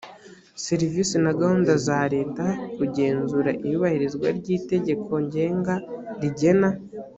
serivisi na gahunda za leta kugenzura iyubahirizwa ry itegeko ngenga rigena